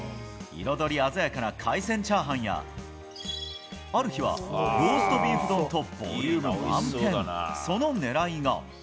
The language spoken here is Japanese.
彩り鮮やかな海鮮チャーハンや、ある日はローストビーフ丼とボリューム満点、その理由が。